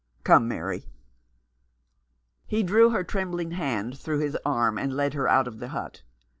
Come, Mary." He drew her trembling hand through his arm and led her out of the hut.